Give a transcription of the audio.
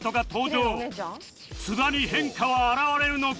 津田に変化は表れるのか？